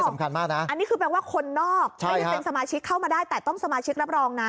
สำคัญมากนะอันนี้คือแปลว่าคนนอกไม่ได้เป็นสมาชิกเข้ามาได้แต่ต้องสมาชิกรับรองนะ